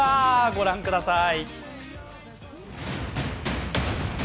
御覧ください。